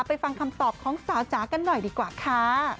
ฟังคำตอบของสาวจ๋ากันหน่อยดีกว่าค่ะ